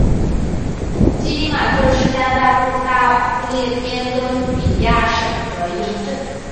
基蒂马特是加拿大不列颠哥伦比亚省的一个城镇。